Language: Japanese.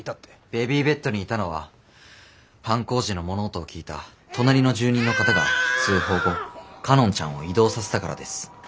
ベビーベッドにいたのは犯行時の物音を聞いた隣の住人の方が通報後佳音ちゃんを移動させたからです。